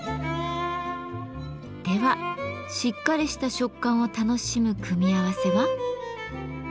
ではしっかりした食感を楽しむ組み合わせは？